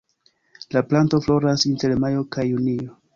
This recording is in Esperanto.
La planto floras inter majo kaj junio.